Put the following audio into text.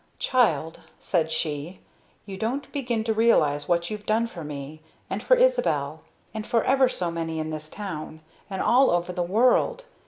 "Child," said she, "you don't begin to realize what you've done for me and for Isobel and for ever so many in this town, and all over the world.